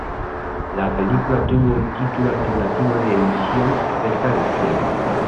La película tuvo el título alternativo de "Misión cerca del cielo".